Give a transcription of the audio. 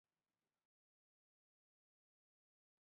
韩匡嗣第六子。